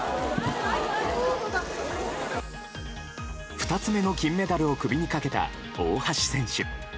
２つ目の金メダルを首にかけた大橋選手。